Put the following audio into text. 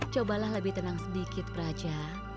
cobalah lebih tenang sedikit praja